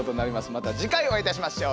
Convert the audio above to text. また次回お会いいたしましょう！